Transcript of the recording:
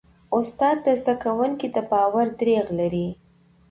استاد د زده کوونکي د باور دریځ لري.